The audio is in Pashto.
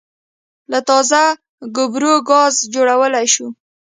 له تازه ګوبرو ګاز جوړولای شو